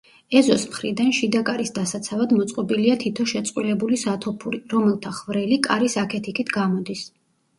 ეზოს მხრიდან, შიდა კარის დასაცავად, მოწყობილია თითო შეწყვილებული სათოფური, რომელთა ხვრელი კარის აქეთ-იქით გამოდის.